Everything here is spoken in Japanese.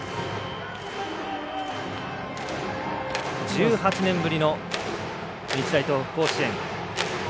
１８年ぶりの日大東北、甲子園。